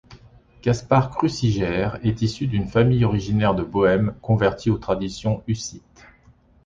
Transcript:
Caspar Cruciger est issu d'une famille originaire de Bohême, convertie aux traditions hussites.